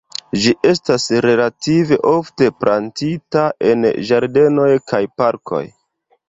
Ĝi estas relative ofte plantita en ĝardenoj kaj parkoj.